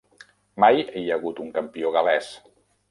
Mai hi ha hagut un campió gal·lès.